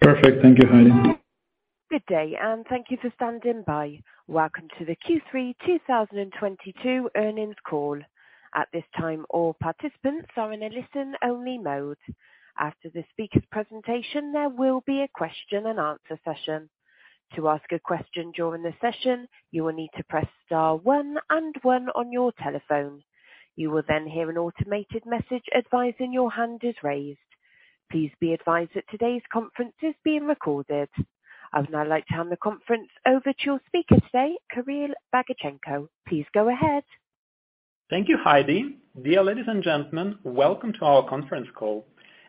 Perfect. Thank you, Heidi. Good day, and thank you for standing by. Welcome to the Q3 2022 earnings call. At this time, all participants are in a listen-only mode. After the speaker's presentation, there will be a question and answer session. To ask a question during the session, you will need to press star one and one on your telephone. You will then hear an automated message advising your hand is raised. Please be advised that today's conference is being recorded. I would now like to hand the conference over to your speaker today, Kirill Bagachenko. Please go ahead. Thank you, Heidi. Dear ladies and gentlemen, welcome to our conference call.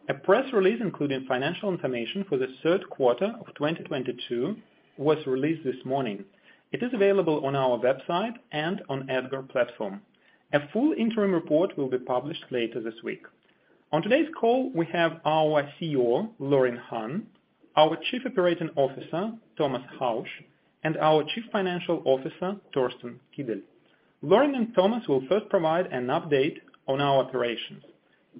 A press release including financial information for the third quarter of 2022 was released this morning. It is available on our website and on EDGAR platform. A full interim report will be published later this week. On today's call, we have our CEO, Laurin Hahn, our Chief Operating Officer, Thomas Hausch, and our Chief Financial Officer, Torsten Kiedel. Laurin and Thomas will first provide an update on our operations.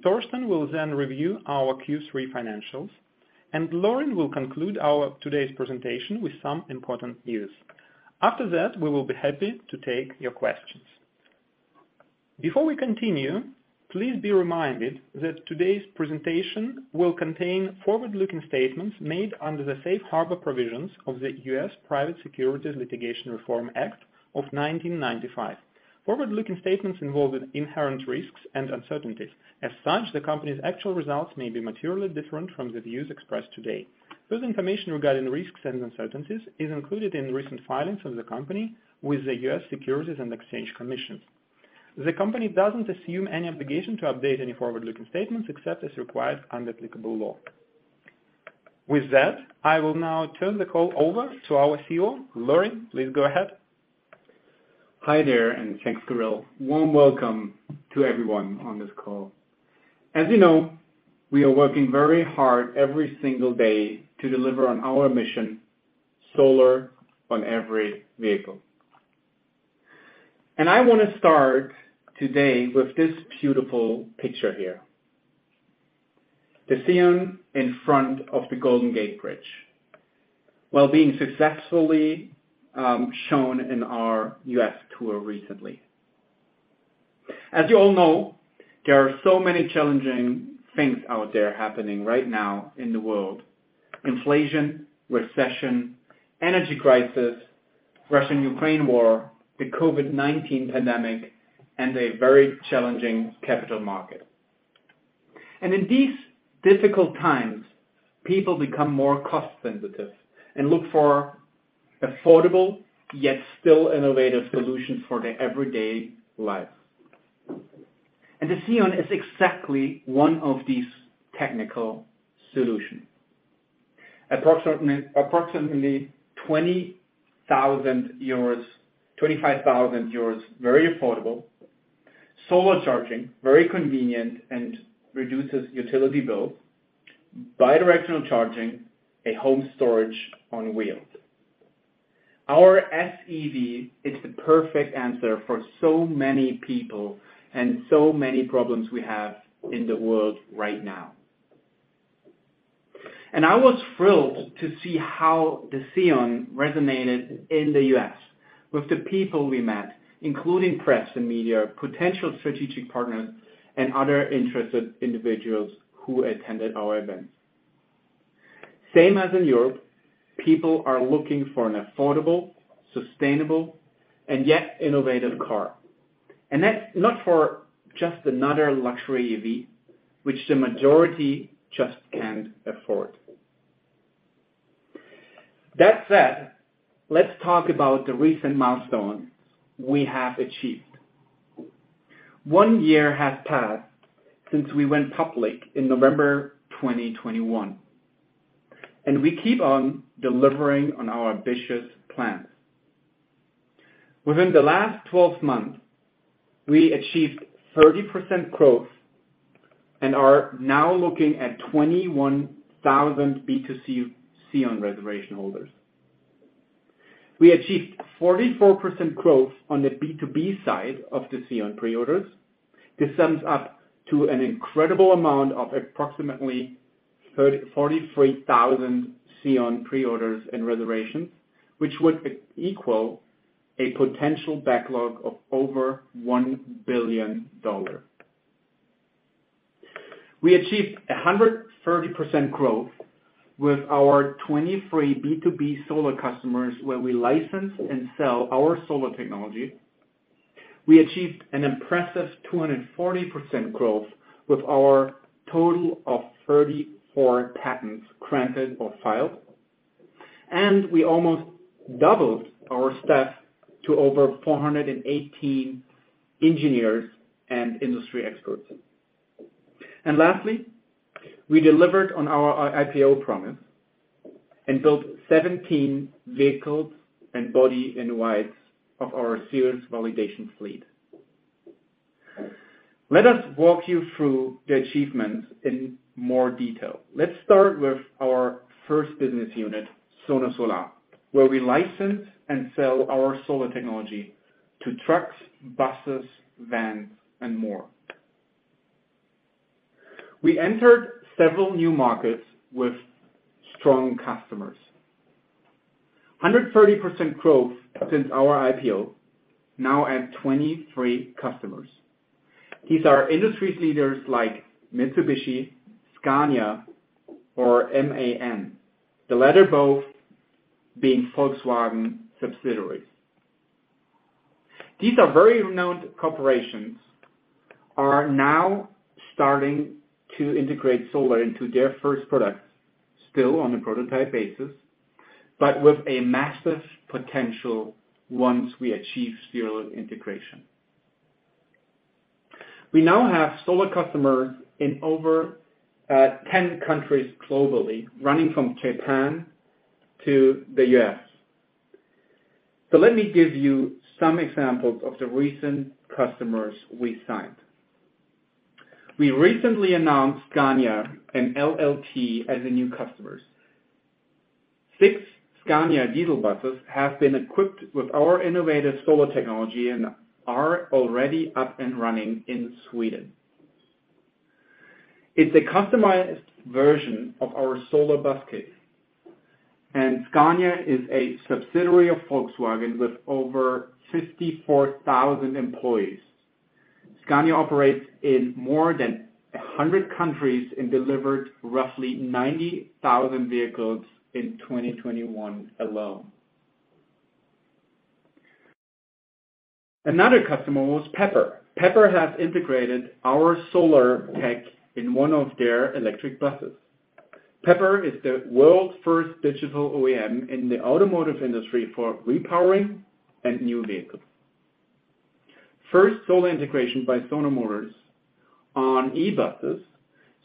Torsten will then review our Q3 financials, and Laurin will conclude our today's presentation with some important news. After that, we will be happy to take your questions. Before we continue, please be reminded that today's presentation will contain forward-looking statements made under the Safe Harbor provisions of the U.S. Private Securities Litigation Reform Act of 1995. Forward-looking statements involve inherent risks and uncertainties. As such, the company's actual results may be materially different from the views expressed today. This information regarding risks and uncertainties is included in recent filings of the company with the U.S. Securities and Exchange Commission. The company doesn't assume any obligation to update any forward-looking statements except as required under applicable law. I will now turn the call over to our CEO. Laurin, please go ahead. Hi there. Thanks, Kirill. Warm welcome to everyone on this call. As you know, we are working very hard every single day to deliver on our mission, solar on every vehicle. I wanna start today with this beautiful picture here. The Sion in front of the Golden Gate Bridge, while being successfully shown in our U.S. tour recently. As you all know, there are so many challenging things out there happening right now in the world: inflation, recession, energy crisis, Russian-Ukraine war, the COVID-19 pandemic, and a very challenging capital market. In these difficult times, people become more cost-sensitive and look for affordable, yet still innovative solutions for their everyday life. The Sion is exactly one of these technical solution. Approximately 20,000 euros, 25,000 euros, very affordable. Solar charging, very convenient, and reduces utility bill. Bidirectional charging, a home storage on wheels. Our SEV is the perfect answer for so many people and so many problems we have in the world right now. I was thrilled to see how the Sion resonated in the U.S. with the people we met, including press and media, potential strategic partners, and other interested individuals who attended our events. Same as in Europe, people are looking for an affordable, sustainable, and yet innovative car. That's not for just another luxury EV, which the majority just can't afford. That said, let's talk about the recent milestones we have achieved. One year has passed since we went public in November 2021, and we keep on delivering on our ambitious plans. Within the last 12 months, we achieved 30% growth and are now looking at 21,000 B2C Sion reservation holders. We achieved 44% growth on the B2B side of the Sion preorders. This sums up to an incredible amount of approximately 43,000 Sion preorders and reservations, which would equal a potential backlog of over $1 billion. We achieved 130% growth with our 23 B2B solar customers, where we license and sell our solar technology. We achieved an impressive 240% growth with our total of 34 patents granted or filed. We almost doubled our staff to over 418 engineers and industry experts. Lastly, we delivered on our IPO promise and built 17 vehicles and bodies in white of our series validation fleet. Let us walk you through the achievements in more detail. Let's start with our first business unit, Sono Solar, where we license and sell our solar technology. To trucks, buses, vans, and more. We entered several new markets with strong customers. 130% growth since our IPO, now at 23 customers. These are industry leaders like Mitsubishi, Scania, or MAN, the latter both being Volkswagen subsidiaries. These are very renowned corporations, are now starting to integrate solar into their first products, still on a prototype basis, but with a massive potential once we achieve solar integration. We now have solar customers in over 10 countries globally, running from Japan to the U.S. Let me give you some examples of the recent customers we signed. We recently announced Scania and LLT as the new customers. Six Scania diesel buses have been equipped with our innovative solar technology and are already up and running in Sweden. It's a customized version of our Solar Bus Kit. Scania is a subsidiary of Volkswagen with over 54,000 employees. Scania operates in more than 100 countries and delivered roughly 90,000 vehicles in 2021 alone. Another customer was pepper. Pepper has integrated our solar tech in one of their electric buses. pepper is the world's first digital OEM in the automotive industry for repowering and new vehicles. Solar integration by Sono Motors on e-buses,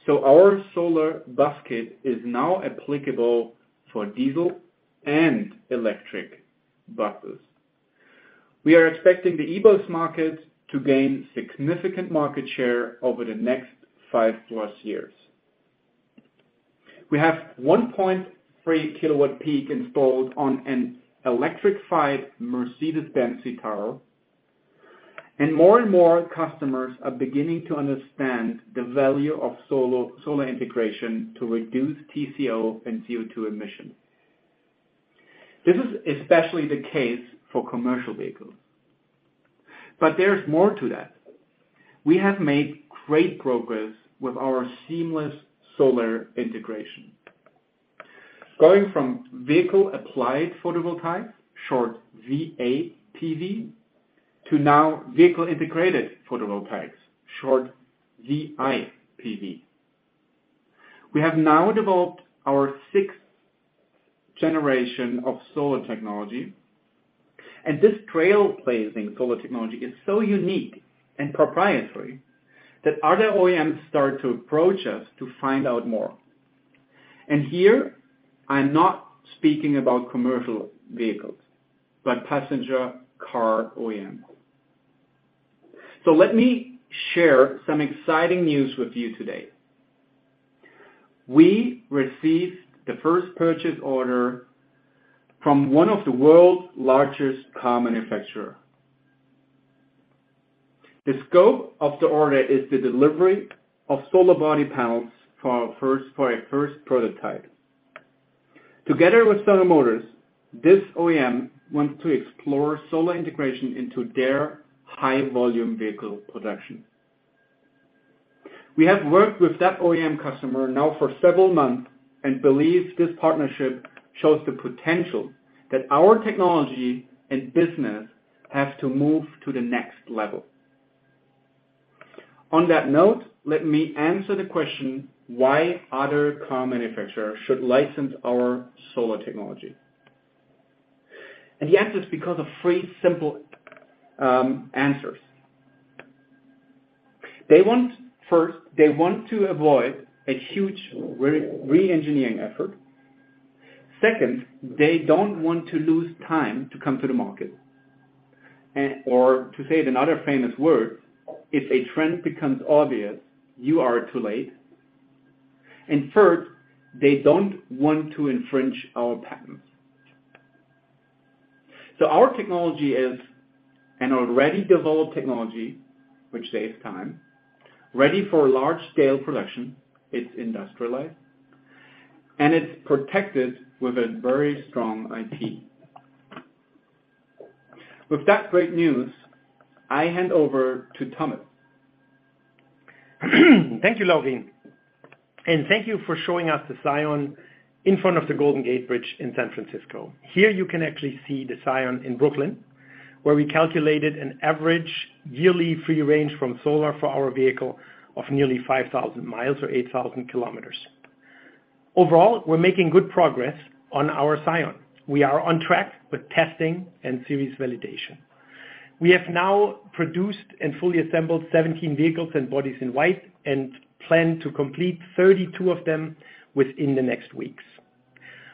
so our Solar Bus Kit is now applicable for diesel and electric buses. We are expecting the e-bus market to gain significant market share over the next five plus years. We have 1.3 kilowatt peak installed on an electrified Mercedes-Benz Citaro, more and more customers are beginning to understand the value of solar integration to reduce TCO and CO2 emission. This is especially the case for commercial vehicles. There is more to that. We have made great progress with our seamless solar integration. Going from vehicle-applied photovoltaic, short VAPV, to now vehicle-integrated photovoltaic, short VIPV. We have now developed our 6th generation of solar technology. This trailblazing solar technology is so unique and proprietary that other OEMs start to approach us to find out more. Here, I'm not speaking about commercial vehicles, but passenger car OEM. Let me share some exciting news with you today. We received the first purchase order from one of the world's largest car manufacturer. The scope of the order is the delivery of solar body panels for our first prototype. Together with Sono Motors, this OEM wants to explore solar integration into their high-volume vehicle production. We have worked with that OEM customer now for several months and believe this partnership shows the potential that our technology and business have to move to the next level. On that note, let me answer the question, why other car manufacturers should license our solar technology? The answer is because of three simple answers. First, they want to avoid a huge reengineering effort. Second, they don't want to lose time to come to the market. Or to say it another famous words, if a trend becomes obvious, you are too late. Third, they don't want to infringe our patents. Our technology is an already developed technology which saves time, ready for large-scale production, it's industrialized, and it's protected with a very strong IP. With that great news, I hand over to Thomas. Thank you, Laurin. Thank you for showing us the Sion in front of the Golden Gate Bridge in San Francisco. Here, you can actually see the Sion in Brooklyn, where we calculated an average yearly free range from solar for our vehicle of nearly 5,000 mi or 8,000 km. Overall, we're making good progress on our Sion. We are on track with testing and series validation. We have now produced and fully assembled 17 vehicles and bodies in white and plan to complete 32 of them within the next weeks.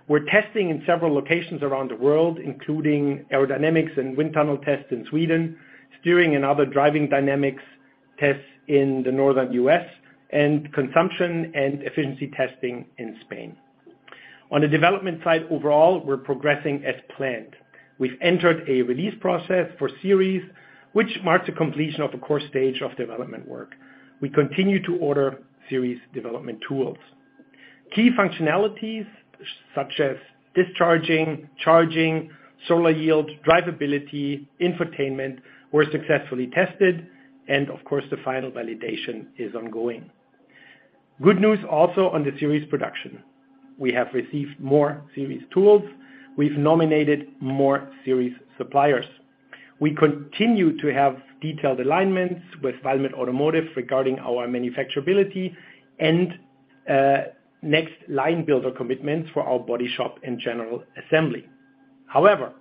We're testing in several locations around the world, including aerodynamics and wind tunnel tests in Sweden, steering and other driving dynamics tests in the Northern U.S., and consumption and efficiency testing in Spain. On the development side overall, we're progressing as planned. We've entered a release process for series, which marks the completion of a core stage of development work. We continue to order series development tools. Key functionalities such as discharging, charging, solar yield, drivability, infotainment were successfully tested. Of course, the final validation is ongoing. Good news also on the series production. We have received more series tools. We've nominated more series suppliers. We continue to have detailed alignments with Valmet Automotive regarding our manufacturability and next line builder commitments for our body shop and general assembly. However,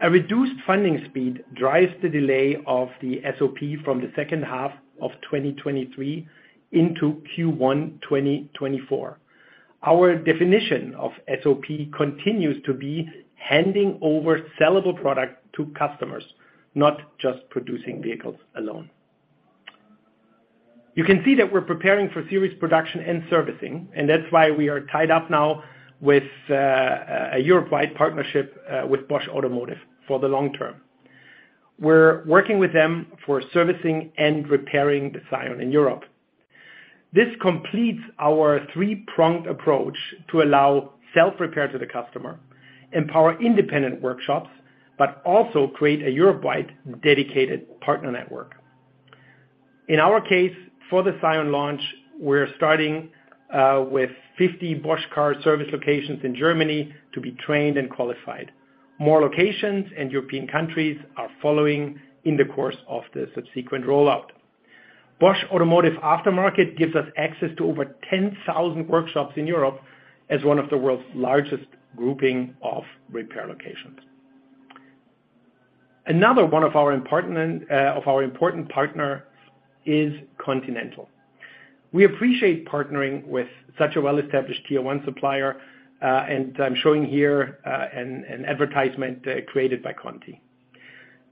a reduced funding speed drives the delay of the SOP from the second half of 2023 into Q1 2024. Our definition of SOP continues to be handing over sellable product to customers, not just producing vehicles alone. You can see that we're preparing for series production and servicing, and that's why we are tied up now with a Europe-wide partnership with Bosch Automotive for the long term. We're working with them for servicing and repairing the Sion in Europe. This completes our three-pronged approach to allow self-repair to the customer, empower independent workshops, but also create a Europe-wide dedicated partner network. In our case, for the Sion launch, we're starting with 50 Bosch Car Service locations in Germany to be trained and qualified. More locations and European countries are following in the course of the subsequent rollout. Bosch Automotive Aftermarket gives us access to over 10,000 workshops in Europe as one of the world's largest grouping of repair locations. Another one of our important partner is Continental. We appreciate partnering with such a well-established tier one supplier, and I'm showing here an advertisement created by Conti.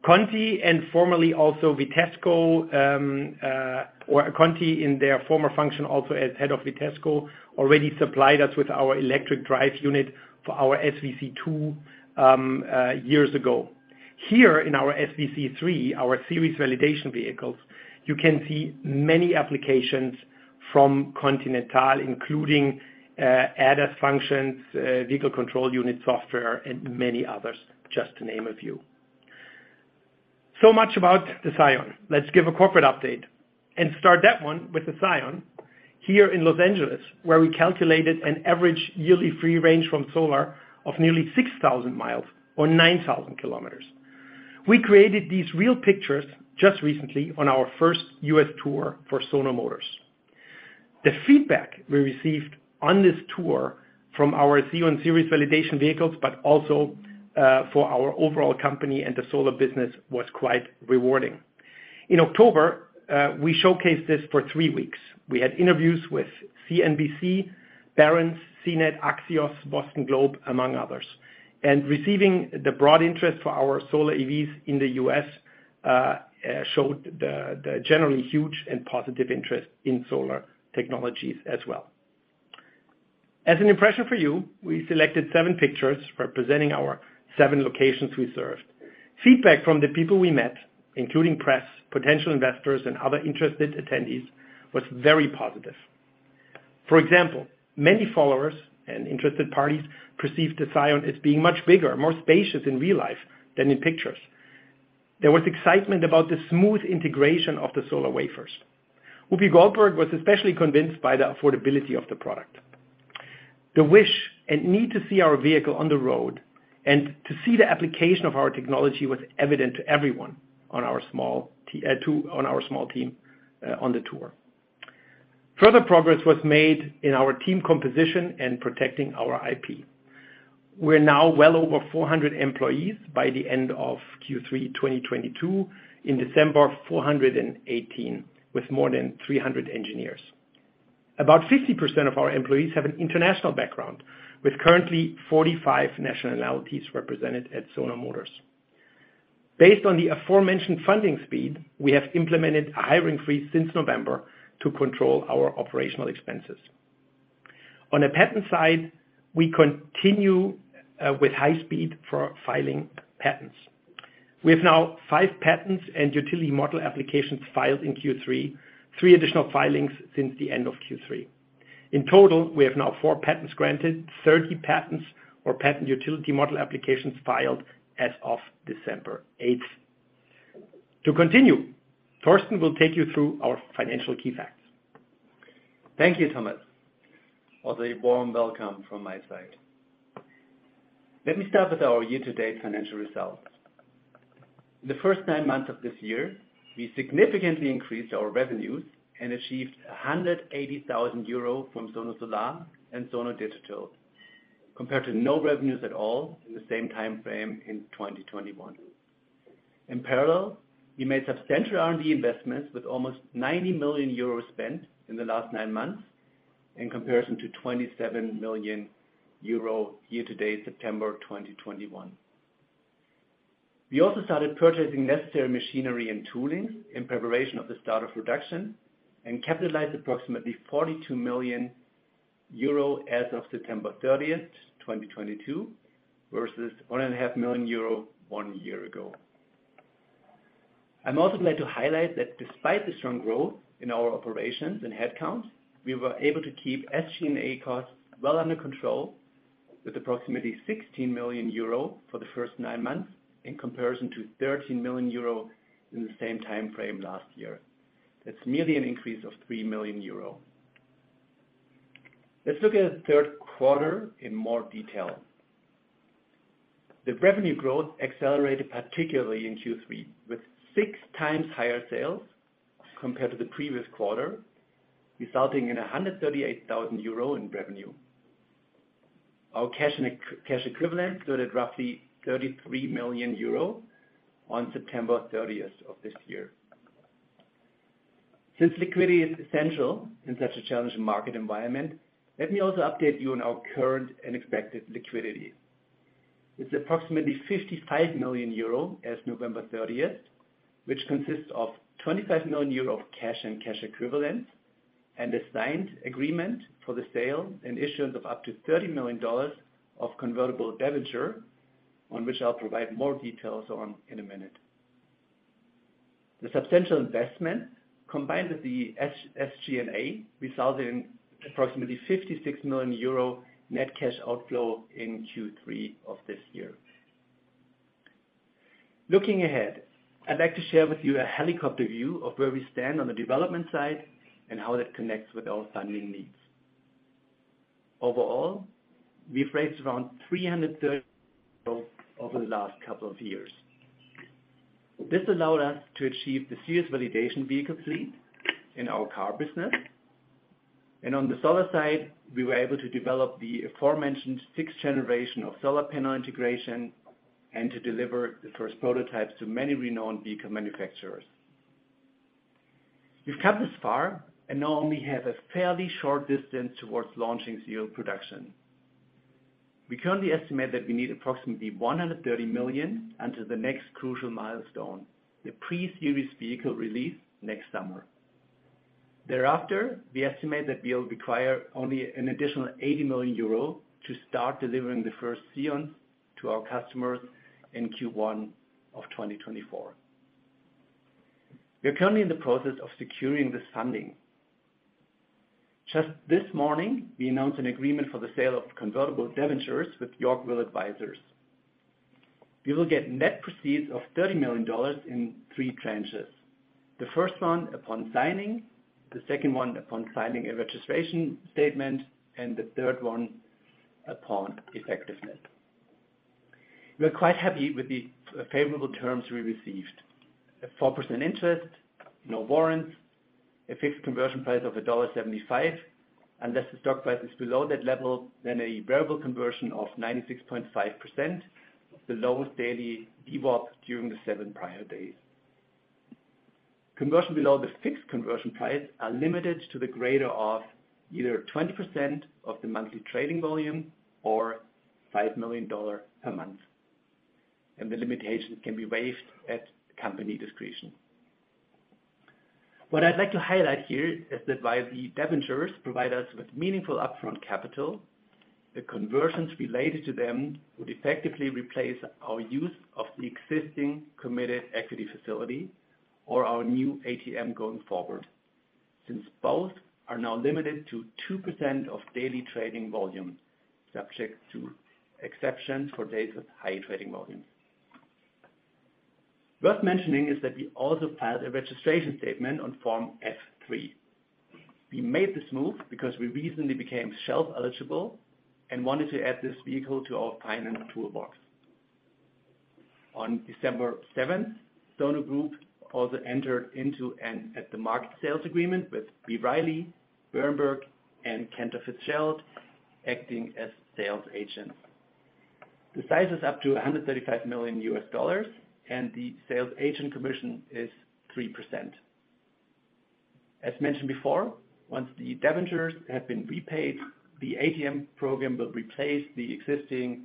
Conti and formerly also Vitesco, or Conti in their former function also as head of Vitesco, already supplied us with our electric drive unit for our SVC2 years ago. Here in our SVC3, our series validation vehicles, you can see many applications from Continental, including ADAS functions, vehicle control unit software, and many others, just to name a few. Much about the Sion. Let's give a corporate update and start that one with the Sion here in Los Angeles, where we calculated an average yearly free range from solar of nearly 6,000 mi or 9,000 km. We created these real pictures just recently on our first U.S. tour for Sono Motors. The feedback we received on this tour from our Sion series validation vehicles, but also, for our overall company and the solar business, was quite rewarding. In October, we showcased this for three weeks. We had interviews with CNBC, Barron's, CNET, Axios, The Boston Globe, among others. Receiving the broad interest for our solar EVs in the U.S., showed the generally huge and positive interest in solar technologies as well. As an impression for you, we selected seven pictures representing our seven locations we served. Feedback from the people we met, including press, potential investors, and other interested attendees, was very positive. For example, many followers and interested parties perceived the Sion as being much bigger, more spacious in real life than in pictures. There was excitement about the smooth integration of the solar wafers. Whoopi Goldberg was especially convinced by the affordability of the product. The wish and need to see our vehicle on the road and to see the application of our technology was evident to everyone on our small team on the tour. Further progress was made in our team composition and protecting our IP. We're now well over 400 employees by the end of Q3 2022. In December, 418, with more than 300 engineers. About 50% of our employees have an international background, with currently 45 national nationalities represented at Sono Motors. Based on the aforementioned funding speed, we have implemented a hiring freeze since November to control our operational expenses. On the patent side, we continue with high speed for filing patents. We have now five patents and utility model applications filed in Q3, three additional filings since the end of Q3. In total, we have now four patents granted, 30 patents or patent utility model applications filed as of December 8th. To continue, Torsten will take you through our financial key facts. Thank you, Thomas. Also a warm welcome from my side. Let me start with our year-to-date financial results. The first nine months of this year, we significantly increased our revenues and achieved 180,000 euro from Sono Solar and Sono Digital, compared to no revenues at all in the same time frame in 2021. In parallel, we made substantial R&D investments with almost 90 million euros spent in the last nine months, in comparison to 27 million euro year-to-date September 2021. We also started purchasing necessary machinery and tooling in preparation of the start of production and capitalized approximately 42 million euro as of September 30th, 2022, versus 1.5 million euro one year ago. I'm also glad to highlight that despite the strong growth in our operations and headcounts, we were able to keep SG&A costs well under control with approximately 16 million euro for the first nine months, in comparison to 13 million euro in the same time frame last year. That's merely an increase of 3 million euro. Let's look at the third quarter in more detail. The revenue growth accelerated particularly in Q3, with 6x higher sales compared to the previous quarter, resulting in 138,000 euro in revenue. Our cash and cash equivalent stood at roughly 33 million euro on September 30th of this year. Liquidity is essential in such a challenging market environment, let me also update you on our current and expected liquidity. It's approximately 55 million euro as November 30th, which consists of 25 million euro of cash and cash equivalents, and a signed agreement for the sale and issuance of up to $30 million of convertible debenture, on which I'll provide more details on in a minute. The substantial investment, combined with the SG&A, resulted in approximately 56 million euro net cash outflow in Q3 of this year. Looking ahead, I'd like to share with you a helicopter view of where we stand on the development side and how that connects with our funding needs. Overall, we've raised around 330 million over the last couple of years. This allowed us to achieve the series validation vehicle fleet in our car business. On the solar side, we were able to develop the aforementioned 6th generation of solar panel integration and to deliver the first prototypes to many renowned vehicle manufacturers. We've come this far and now only have a fairly short distance towards launching serial production. We currently estimate that we need approximately 130 million until the next crucial milestone, the pre-series vehicle release next summer. Thereafter, we estimate that we'll require only an additional 80 million euro to start delivering the first Sion to our customers in Q1 of 2024. We are currently in the process of securing this funding. Just this morning, we announced an agreement for the sale of convertible debentures with Yorkville Advisors. We will get net proceeds of $30 million in three tranches. The first one upon signing, the second one upon filing a registration statement, and the third one upon effectiveness. We're quite happy with the favorable terms we received. A 4% interest, no warrants, a fixed conversion price of $1.75, unless the stock price is below that level, then a variable conversion of 96.5% of the lowest daily VWAP during the seven prior days. Conversion below the fixed conversion price are limited to the greater of either 20% of the monthly trading volume or $5 million per month. The limitations can be waived at company discretion. What I'd like to highlight here is that while the debentures provide us with meaningful upfront capital, the conversions related to them would effectively replace our use of the existing committed equity facility or our new ATM going forward, since both are now limited to 2% of daily trading volume, subject to exceptions for days with high trading volume. Worth mentioning is that we also filed a registration statement on Form S-3. We made this move because we recently became shelf eligible and wanted to add this vehicle to our finance toolbox. On December 7th, Sono Group also entered into an at the market sales agreement with B. Riley, Berenberg, and Cantor Fitzgerald acting as sales agent. The size is up to $135 million, and the sales agent commission is 3%. As mentioned before, once the debentures have been repaid, the ATM program will replace the existing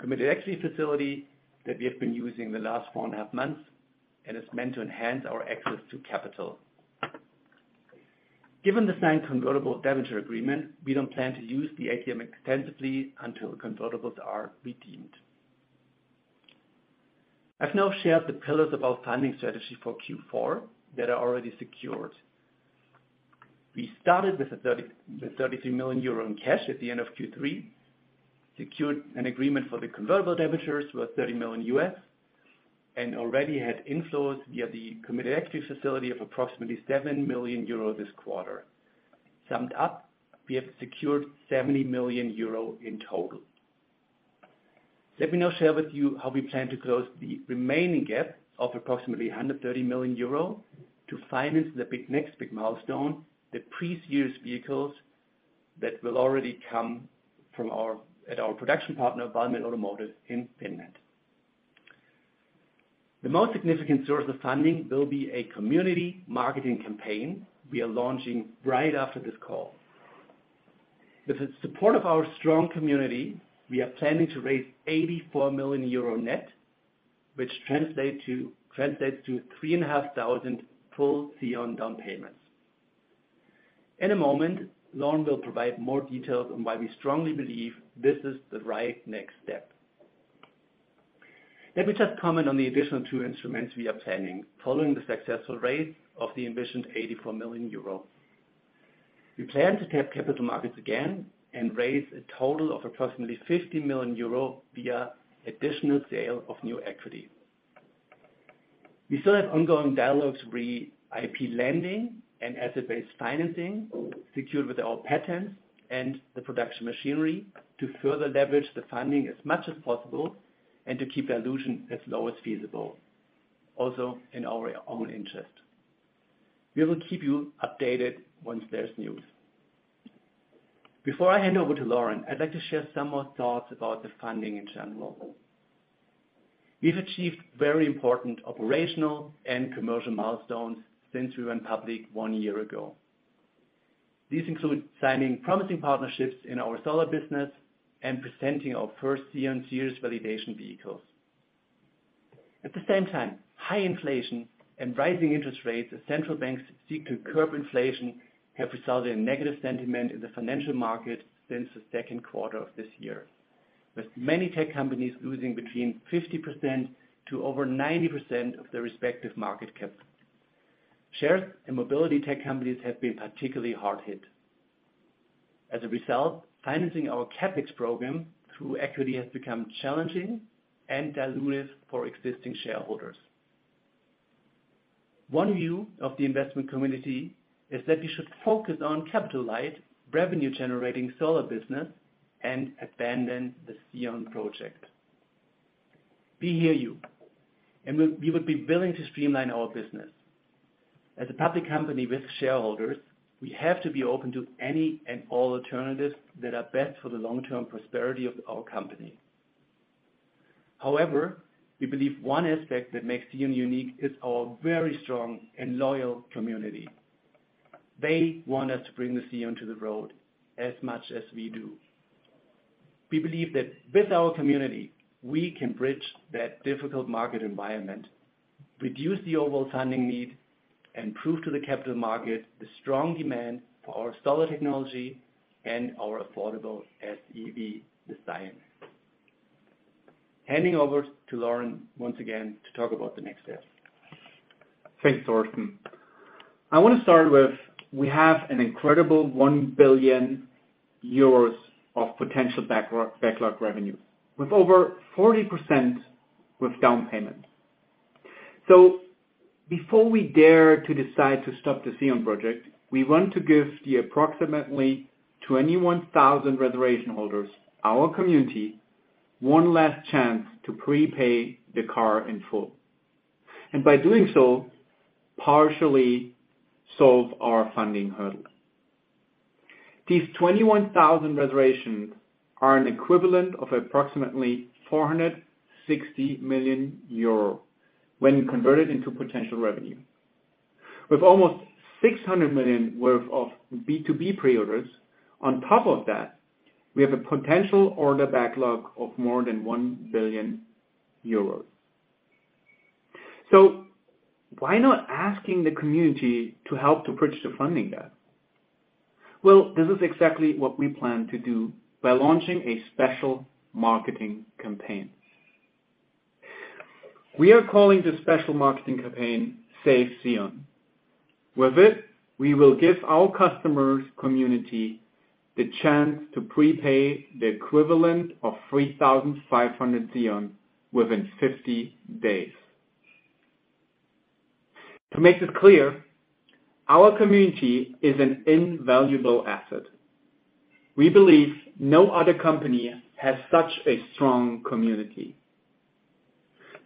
committed equity facility that we have been using the last four and a half months and is meant to enhance our access to capital. Given the signed convertible debenture agreement, we don't plan to use the ATM extensively until the convertibles are redeemed. I've now shared the pillars of our funding strategy for Q4 that are already secured. We started with the 33 million euro in cash at the end of Q3, secured an agreement for the convertible debentures worth $30 million, and already had inflows via the committed equity facility of approximately 7 million euro this quarter. Summed up, we have secured 70 million euro in total. Let me now share with you how we plan to close the remaining gap of approximately 130 million euro to finance the next big milestone, the pre-series vehicles that will already come at our production partner, Valmet Automotive, in Finland. The most significant source of funding will be a community marketing campaign we are launching right after this call. With the support of our strong community, we are planning to raise 84 million euro net, which translates to 3,500 full Sion down payments. In a moment, Laurin will provide more details on why we strongly believe this is the right next step. Let me just comment on the additional two instruments we are planning following the successful raise of the envisioned 84 million euro. We plan to tap capital markets again raise a total of approximately 50 million euro via additional sale of new equity. We still have ongoing dialogues re IP lending and asset-based financing secured with our patents and the production machinery to further leverage the funding as much as possible and to keep dilution as low as feasible, also in our own interest. We will keep you updated once there's news. Before I hand over to Laurin, I'd like to share some more thoughts about the funding in general. We've achieved very important operational and commercial milestones since we went public one year ago. These include signing promising partnerships in our solar business and presenting our first Sion series validation vehicles. At the same time, high inflation and rising interest rates as central banks seek to curb inflation, have resulted in negative sentiment in the financial market since the second quarter of this year, with many tech companies losing between 50% to over 90% of their respective market capital. Shares and mobility tech companies have been particularly hard hit. As a result, financing our CapEx program through equity has become challenging and dilutive for existing shareholders. One view of the investment community is that we should focus on capital light, revenue generating solar business and abandon the Sion project. We hear you, and we would be willing to streamline our business. As a public company with shareholders, we have to be open to any and all alternatives that are best for the long-term prosperity of our company. However, we believe one aspect that makes Sion unique is our very strong and loyal community. They want us to bring the Sion to the road as much as we do. We believe that with our community, we can bridge that difficult market environment, reduce the overall funding need, and prove to the capital market the strong demand for our solar technology and our affordable SEV design. Handing over to Laurin once again to talk about the next steps. Thanks, Torsten. I wanna start with, we have an incredible 1 billion euros of potential backlog revenue, with over 40% with down payment. Before we dare to decide to stop the Sion project, we want to give the approximately 21,000 reservation holders, our community, one last chance to prepay the car in full, and by doing so, partially solve our funding hurdle. These 21,000 reservations are an equivalent of approximately 460 million euro when converted into potential revenue. With almost 600 million worth of B2B pre-orders on top of that, we have a potential order backlog of more than 1 billion euros. Why not asking the community to help to bridge the funding gap? Well, this is exactly what we plan to do by launching a special marketing campaign. We are calling this special marketing campaign Save Sion. With it, we will give our customers, community the chance to prepay the equivalent of 3,500 Sion within 50 days. To make this clear, our community is an invaluable asset. We believe no other company has such a strong community.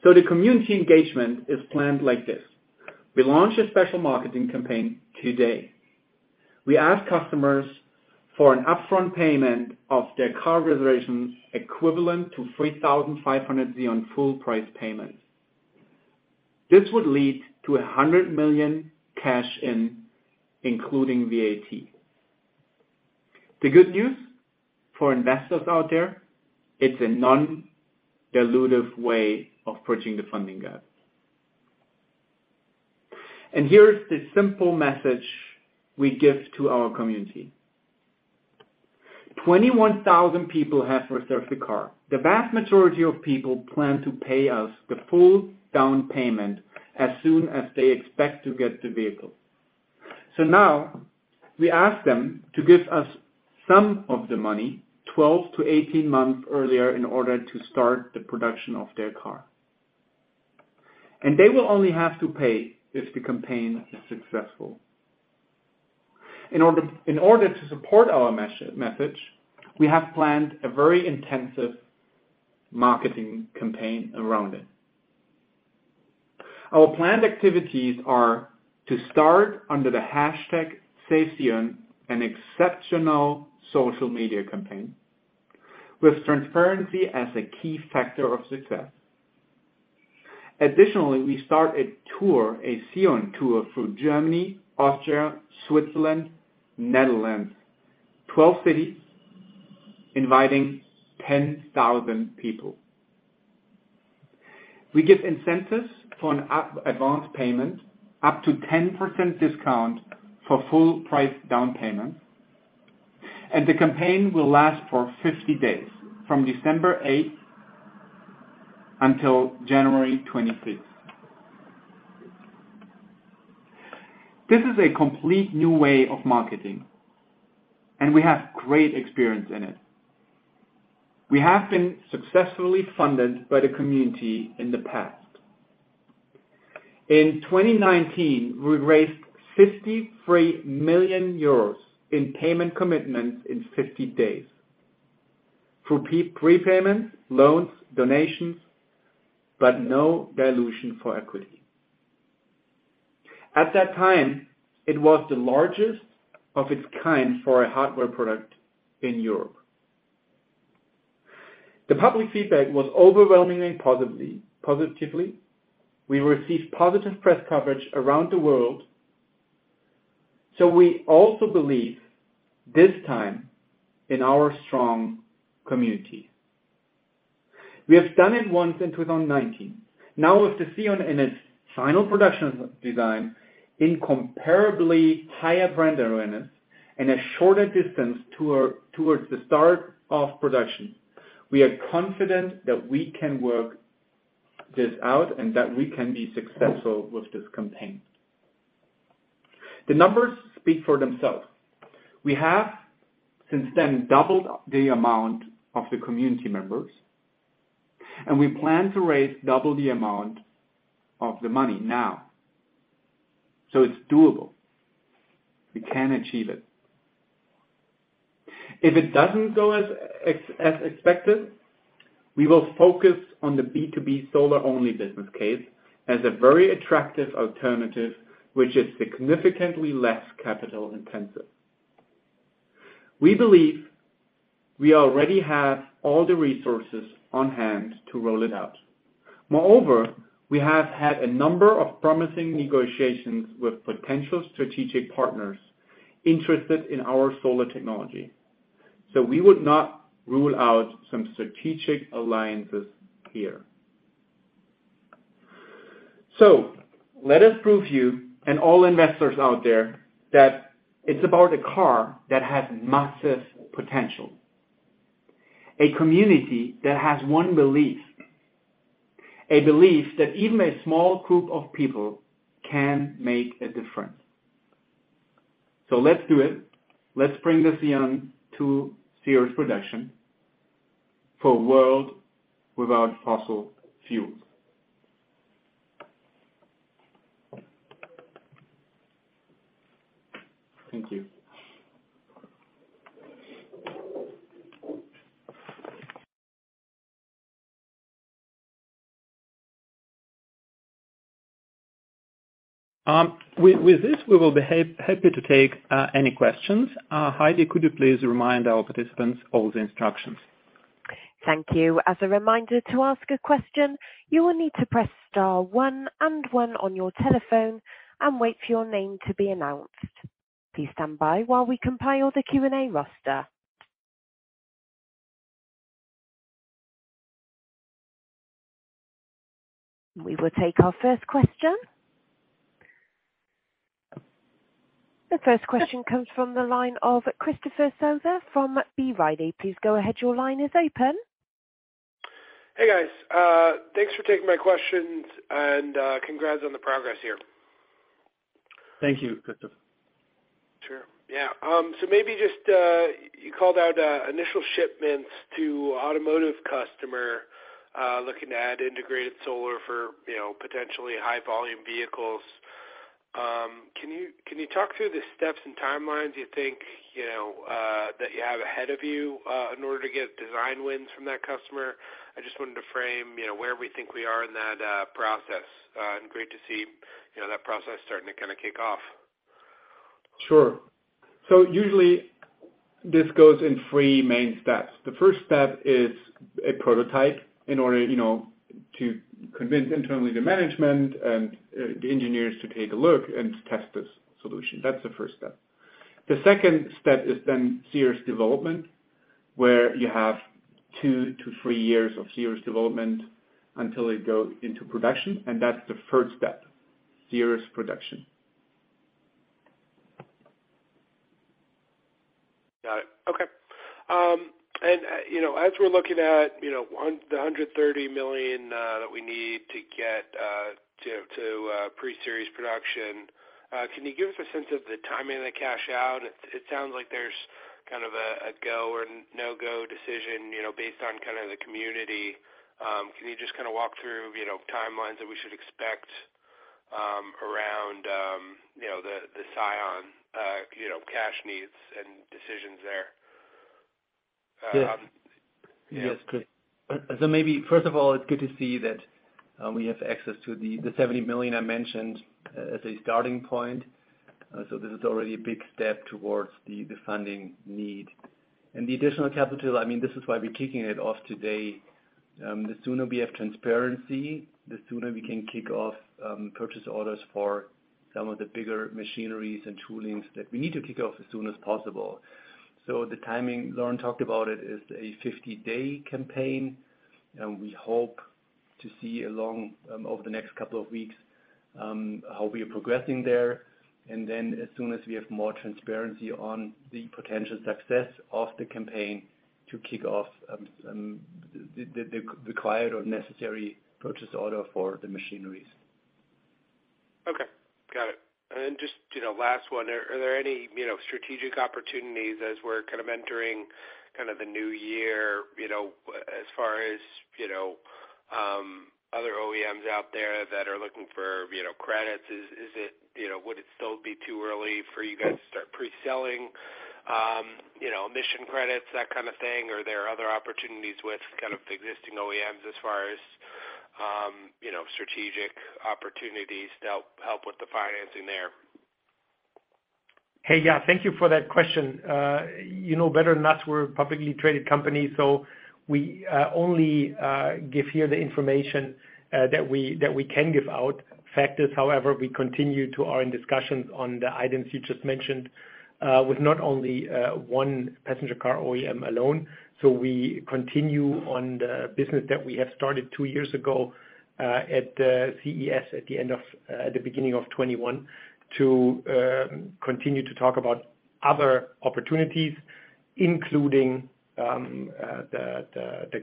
The community engagement is planned like this: We launch a special marketing campaign today. We ask customers for an upfront payment of their car reservations equivalent to 3,500 Sion full price payments. This would lead to 100 million cash in, including VAT. The good news for investors out there, it's a non-dilutive way of bridging the funding gap. Here's the simple message we give to our community. 21,000 people have reserved a car. The vast majority of people plan to pay us the full down payment as soon as they expect to get the vehicle. Now we ask them to give us some of the money 12-18 months earlier in order to start the production of their car. They will only have to pay if the campaign is successful. In order to support our message, we have planned a very intensive marketing campaign around it. Our planned activities are to start under the #SaveSion, an exceptional social media campaign with transparency as a key factor of success. Additionally, we start a tour, a Sion tour through Germany, Austria, Switzerland, Netherlands. 12 cities, inviting 10,000 people. We give incentives for an up advance payment, up to 10% discount for full price down payment, and the campaign will last for 50 days, from December 8 until January 26. This is a complete new way of marketing, and we have great experience in it. We have been successfully funded by the community in the past. In 2019, we raised EUR 53 million in prepayments, loans, donations, but no dilution for equity. At that time, it was the largest of its kind for a hardware product in Europe. The public feedback was overwhelmingly positively. We received positive press coverage around the world, we also believe this time in our strong community. We have done it once in 2019. Now with the Sion in its final production design, incomparably higher brand awareness, and a shorter distance towards the start of production, we are confident that we can work this out and that we can be successful with this campaign. The numbers speak for themselves. We have since then doubled the amount of the community members. We plan to raise double the amount of the money now. It's doable. We can achieve it. If it doesn't go as expected, we will focus on the B2B solar-only business case as a very attractive alternative, which is significantly less capital-intensive. We believe we already have all the resources on hand to roll it out. Moreover, we have had a number of promising negotiations with potential strategic partners interested in our solar technology. We would not rule out some strategic alliances here. Let us prove to you and all investors out there that it's about a car that has massive potential, a community that has one belief, a belief that even a small group of people can make a difference. Let's do it. Let's bring the Sion to series production for a world without fossil fuels. Thank you. With this, we will be happy to take any questions. Heidi, could you please remind our participants of the instructions? Thank you. As a reminder, to ask a question, you will need to press star one and one on your telephone and wait for your name to be announced. Please stand by while we compile the Q&A roster. We will take our first question. The first question comes from the line of Christopher Souther from B. Riley. Please go ahead. Your line is open. Hey, guys. Thanks for taking my questions and congrats on the progress here. Thank you, Christopher. Sure. Yeah. Maybe just, you called out initial shipments to automotive customer, looking at integrated solar for, you know, potentially high volume vehicles. Can you talk through the steps and timelines you think, you know, that you have ahead of you in order to get design wins from that customer? I just wanted to frame, you know, where we think we are in that process. Great to see, you know, that process starting to kind of kick off. Sure. Usually this goes in three main steps. The first step is a prototype in order, you know, to convince internally the management and the engineers to take a look and to test this solution. That's the first step. The second step is then series development, where you have two to three years of series development until it goes into production, and that's the third step, series production. Got it. Okay. You know, as we're looking at, you know, the 130 million that we need to get to pre-series production, can you give us a sense of the timing of the cash out? It sounds like there's kind of a go or no-go decision, you know, based on kind of the community. Can you just kind of walk through, you know, timelines that we should expect around the Sion cash needs and decisions there? Yes. Yeah. Yes, Chris. Maybe first of all, it's good to see that, we have access to the 70 million I mentioned, as a starting point. This is already a big step towards the funding need. The additional capital, I mean, this is why we're kicking it off today. The sooner we have transparency, the sooner we can kick off purchase orders for some of the bigger machineries and toolings that we need to kick off as soon as possible. The timing, Laurin talked about it, is a 50-day campaign, and we hope to see along over the next couple of weeks how we are progressing there. As soon as we have more transparency on the potential success of the campaign to kick off the required or necessary purchase order for the machineries. Okay. Got it. Then just, you know, last one. Are there any, you know, strategic opportunities as we're kind of entering kind of the new year, you know, as far as, you know, other OEMs out there that are looking for, you know, credits? Is it, you know, would it still be too early for you guys to start pre-selling, you know, emission credits, that kind of thing? Are there other opportunities with kind of existing OEMs as far as, you know, strategic opportunities to help with the financing there? Hey, yeah. Thank you for that question. you know better than us, we're a publicly traded company. We only give here the information that we can give out. Fact is, however, we continue to are in discussions on the items you just mentioned with not only one passenger car OEM alone. We continue on the business that we have started two years ago at CES at the end of the beginning of 2021, to continue to talk about other opportunities, including the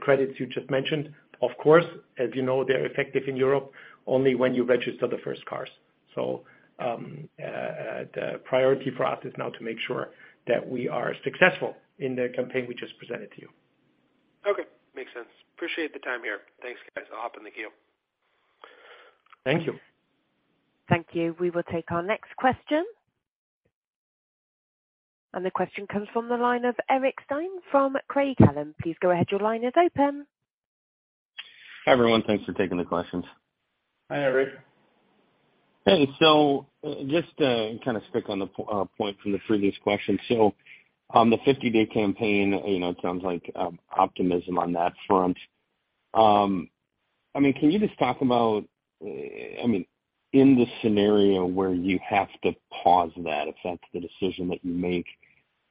credits you just mentioned. Of course, as you know, they're effective in Europe only when you register the first cars. The priority for us is now to make sure that we are successful in the campaign we just presented to you. Okay. Makes sense. Appreciate the time here. Thanks, guys. I'll hop in the queue. Thank you. Thank you. We will take our next question. The question comes from the line of Eric Stine from Craig-Hallum. Please go ahead. Your line is open. Hi, everyone. Thanks for taking the questions. Hi, Eric. Hey. Just to kind of stick on the point from the previous question. On the 50-day campaign, you know, it sounds like optimism on that front. I mean, can you just talk about, I mean, in the scenario where you have to pause that, if that's the decision that you make,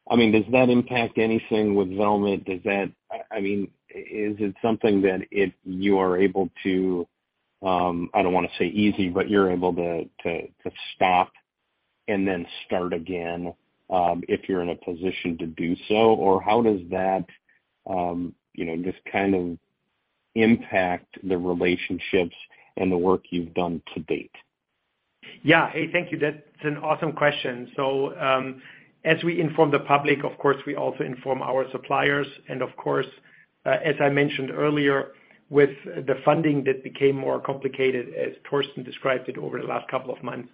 I mean, does that impact anything with Valmet? Does that, I mean, is it something that if you are able to, I don't wanna say easy, but you're able to stop and then start again, if you're in a position to do so? Or how does that, you know, just kind of impact the relationships and the work you've done to date? Hey, thank you. That's an awesome question. As we inform the public, of course, we also inform our suppliers. Of course, as I mentioned earlier, with the funding that became more complicated, as Torsten described it over the last couple of months,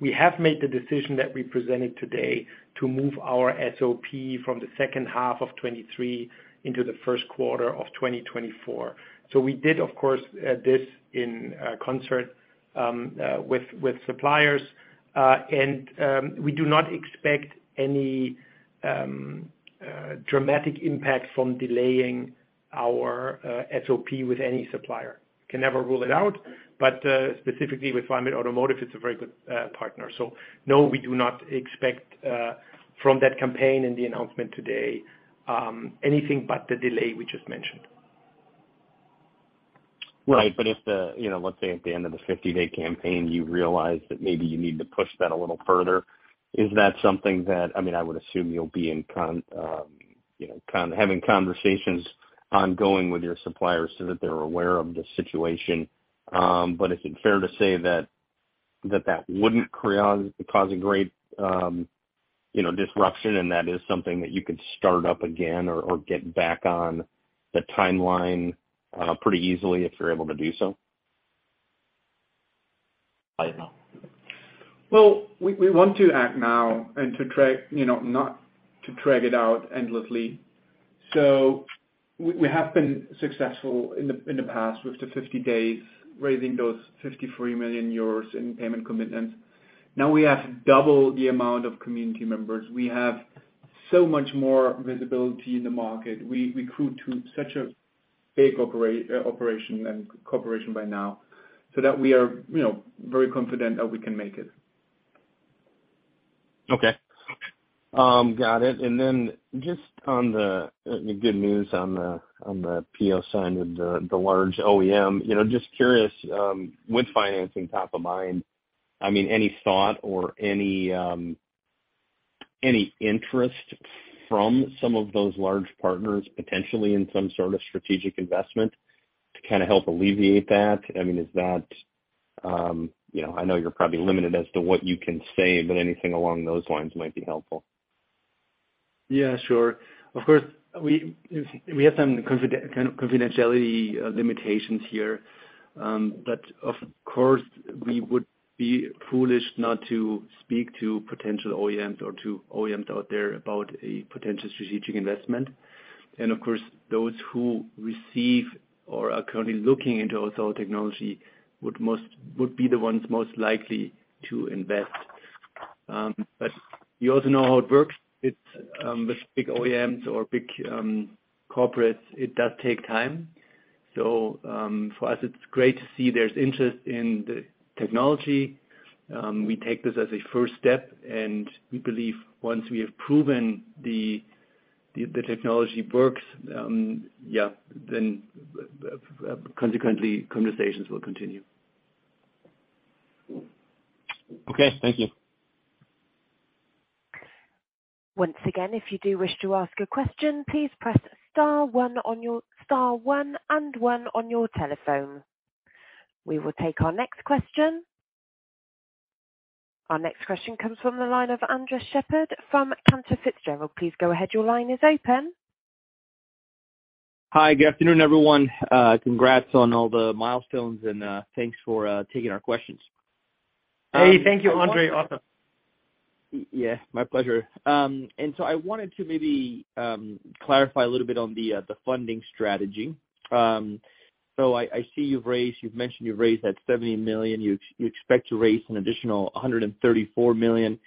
we have made the decision that we presented today to move our SOP from the second half of 2023 into the first quarter of 2024. We did, of course, this in concert with suppliers. We do not expect any dramatic impact from delaying our SOP with any supplier. Can never rule it out, specifically with Valmet Automotive, it's a very good partner. No, we do not expect from that campaign and the announcement today anything but the delay we just mentioned. Right. If the, you know, let's say at the end of the 50-day campaign, you realize that maybe you need to push that a little further, is that something that I mean, I would assume you'll be in con, you know, having conversations ongoing with your suppliers so that they're aware of the situation? Is it fair to say that that wouldn't cause a great, you know, disruption and that is something that you could start up again or get back on the timeline, pretty easily if you're able to do so? I don't know. We want to act now and to drag, you know, not to drag it out endlessly. We have been successful in the past with the 50 days, raising those 53 million euros in payment commitments. Now we have double the amount of community members. We have so much more visibility in the market. We grew to such a big operation and corporation by now, so that we are, you know, very confident that we can make it. Okay. Got it. Just on the good news on the PO signed with the large OEM, you know, just curious, with financing top of mind, I mean, any thought or any interest from some of those large partners potentially in some sort of strategic investment to kinda help alleviate that? I mean, is that? You know, I know you're probably limited as to what you can say, but anything along those lines might be helpful. Yeah, sure. Of course, we have some kind of confidentiality, limitations here. Of course, we would be foolish not to speak to potential OEMs or to OEMs out there about a potential strategic investment. Of course, those who receive or are currently looking into our cell technology would be the ones most likely to invest. You also know how it works. It's with big OEMs or big corporates, it does take time. For us, it's great to see there's interest in the technology. We take this as a first step, and we believe once we have proven the technology works, yeah, then, consequently conversations will continue. Okay. Thank you. Once again, if you do wish to ask a question, please press star one and one on your telephone. We will take our next question. Our next question comes from the line of Andres Sheppard from Cantor Fitzgerald. Please go ahead. Your line is open. Hi, good afternoon, everyone. Congrats on all the milestones and thanks for taking our questions. Hey, thank you, Andre. Awesome. Yeah, my pleasure. I wanted to maybe clarify a little bit on the funding strategy. I see you've mentioned you've raised EUR 70 million. You expect to raise an additional EUR 134 million.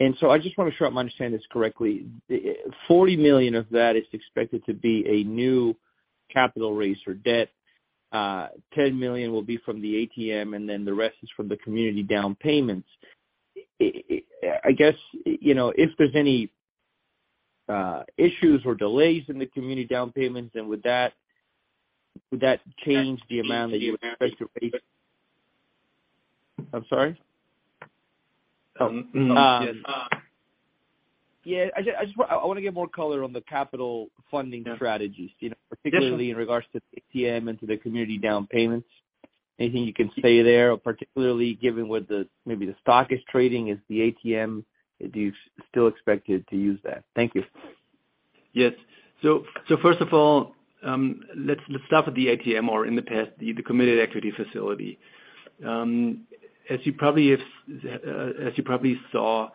I just wanna sure I'm understanding this correctly. The EUR 40 million of that is expected to be a new capital raise or debt. EUR 10 million will be from the ATM, and then the rest is from the community down payments. I guess, you know, if there's any issues or delays in the community down payments, would that change the amount that you expect to raise? I'm sorry? Yes. Yeah, I wanna get more color on the capital funding strategies. Yeah. You know. Yes. In regards to the ATM and to the community down payments. Anything you can say there, particularly given what the, maybe the stock is trading is the ATM? Do you still expect it to use that? Thank you. Yes. First of all, let's start with the ATM or in the past, the committed equity facility. As you probably saw,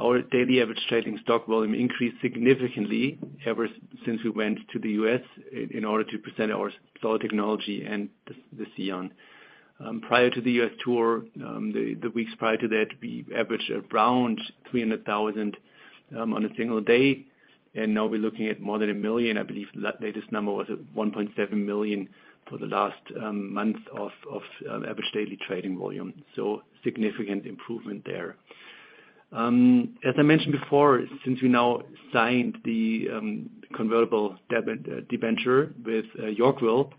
our daily average trading stock volume increased significantly ever since we went to the U.S. in order to present our solar technology and the Sion. Prior to the U.S. tour, the weeks prior to that, we averaged around 300,000 on a single day, and now we're looking at more than 1 million. I believe the latest number was at 1.7 million for the last month of average daily trading volume, so significant improvement there. As I mentioned before, since we now signed the convertible debenture with Yorkville,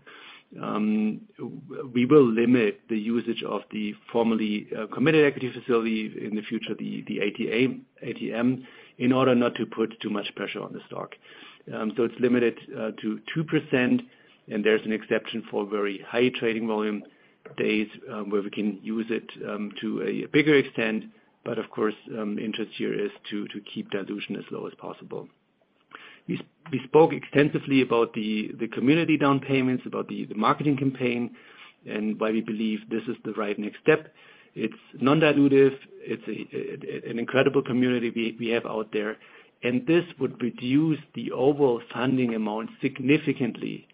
we will limit the usage of the formerly committed equity facility in the future, the ATM, in order not to put too much pressure on the stock. It's limited to 2%, and there's an exception for very high trading volume days, where we can use it to a bigger extent. Of course, interest here is to keep dilution as low as possible. We spoke extensively about the community down payments, about the marketing campaign and why we believe this is the right next step. It's non-dilutive. It's an incredible community we have out there. This would reduce the overall funding amount significantly.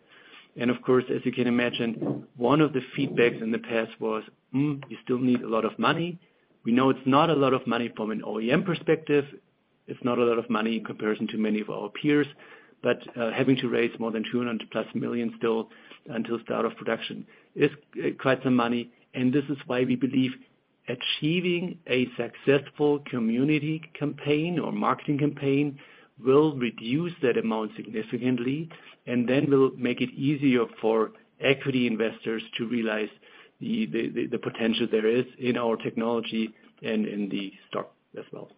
Of course, as you can imagine, one of the feedbacks in the past was, "You still need a lot of money." We know it's not a lot of money from an OEM perspective. It's not a lot of money in comparison to many of our peers. Having to raise more than 200+ million still until start of production is quite some money. This is why we believe achieving a successful community campaign or marketing campaign will reduce that amount significantly, and then will make it easier for equity investors to realize the potential there is in our technology and in the stock as well.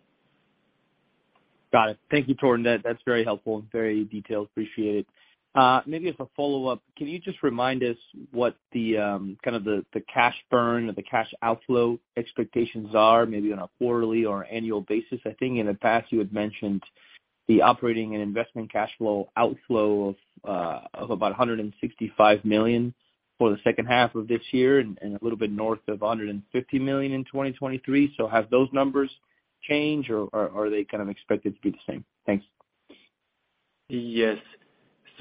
Got it. Thank you, Torsten. That's very helpful and very detailed. Appreciate it. Maybe as a follow-up, can you just remind us what the cash burn or the cash outflow expectations are, maybe on a quarterly or annual basis? I think in the past you had mentioned the operating and investment cash flow outflow of about 165 million for the second half of this year and a little bit north of 150 million in 2023. Have those numbers changed, or are they kind of expected to be the same? Thanks. Yes.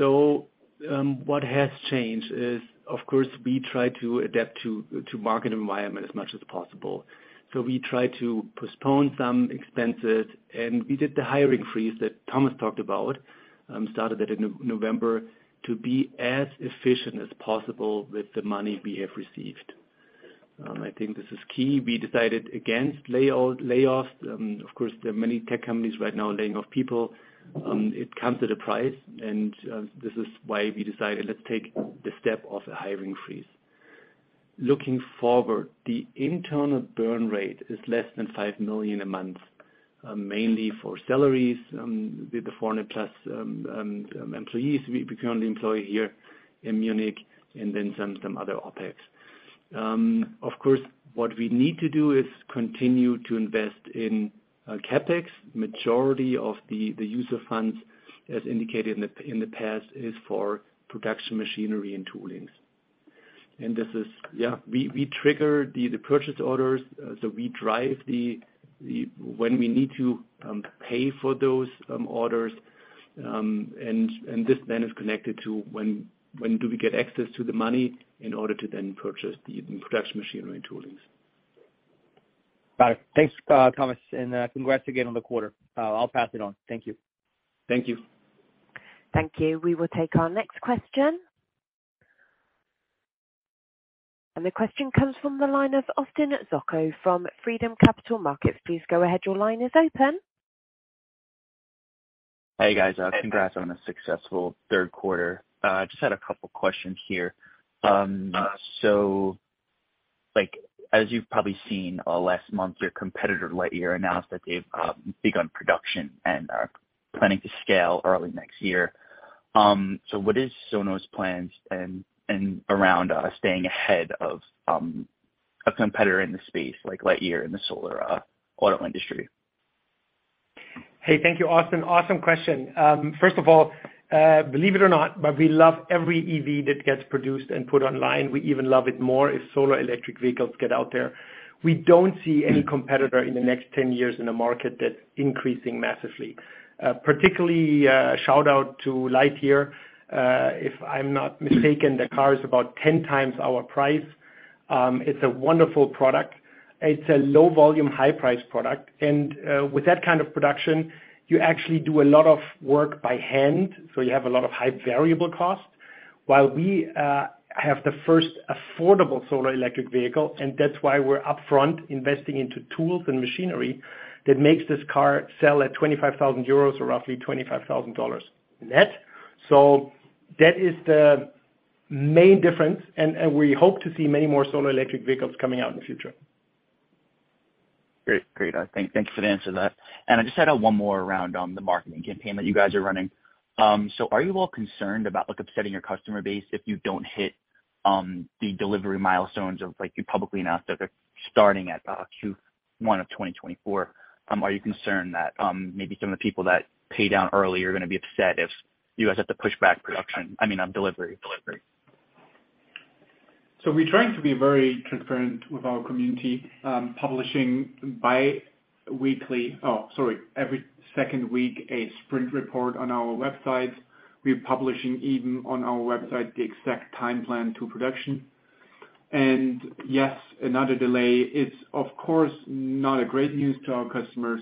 What has changed is, of course, we try to adapt to market environment as much as possible. We try to postpone some expenses, and we did the hiring freeze that Thomas talked about, started that in November, to be as efficient as possible with the money we have received. I think this is key. We decided against layoffs. Of course, there are many tech companies right now laying off people. It comes at a price and this is why we decided let's take the step of a hiring freeze. Looking forward, the internal burn rate is less than 5 million a month, mainly for salaries, with the 400+ employees we currently employ here in Munich and then some other OpEx. Of course, what we need to do is continue to invest in CapEx. Majority of the user funds, as indicated in the past, is for production machinery and toolings. This is, we trigger the purchase orders, so we drive when we need to pay for those orders. This then is connected to when do we get access to the money in order to then purchase the production machinery and toolings. Got it. Thanks for the color and congrats again on the quarter. I'll pass it on. Thank you. Thank you. Thank you. We will take our next question. The question comes from the line of Austin Zocco from Freedom Capital Markets. Please go ahead. Your line is open. Hey, guys. Congrats on a successful third quarter. Just had a couple of questions here. Like, as you've probably seen, last month, your competitor, Lightyear, announced that they've begun production and are planning to scale early next year. What is Sono's plans and around staying ahead of a competitor in the space like Lightyear in the solar auto industry? Hey, thank you, Austin. Awesome question. First of all, believe it or not, we love every EV that gets produced and put online. We even love it more if solar electric vehicles get out there. We don't see any competitor in the next 10 years in a market that's increasing massively. Particularly, shout-out to Lightyear. If I'm not mistaken, the car is about 10x our price. It's a wonderful product. It's a low volume, high price product. With that kind of production, you actually do a lot of work by hand, you have a lot of high variable costs. While we have the first affordable solar electric vehicle, that's why we're upfront investing into tools and machinery that makes this car sell at 25,000 euros or roughly $25,000 net. That is the main difference. We hope to see many more solar electric vehicles coming out in the future. Great. Great. Thanks for the answer to that. I just had one more around the marketing campaign that you guys are running. Are you all concerned about, like, upsetting your customer base if you don't hit the delivery milestones of like you publicly announced that they're starting at Q1 of 2024? Are you concerned that maybe some of the people that pay down early are gonna be upset if you guys have to push back production? I mean, on delivery. We're trying to be very transparent with our community, publishing every second week, a sprint report on our website. We're publishing even on our website the exact time plan to production. Yes, another delay. It's of course not a great news to our customers.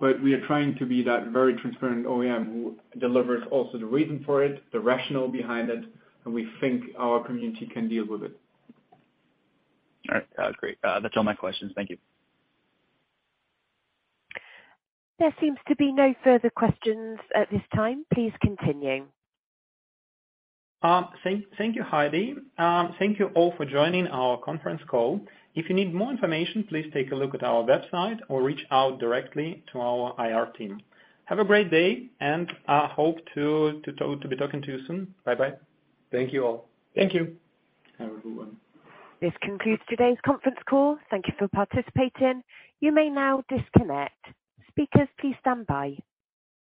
We are trying to be that very transparent OEM who delivers also the reason for it, the rationale behind it, and we think our community can deal with it. All right. Great. That's all my questions. Thank you. There seems to be no further questions at this time. Please continue. Thank you, Heidi. Thank you all for joining our conference call. If you need more information, please take a look at our website or reach out directly to our IR team. Have a great day, and hope to be talking to you soon. Bye-bye. Thank you all. Thank you. Have a good one. This concludes today's conference call. Thank you for participating. You may now disconnect. Speakers, please stand by.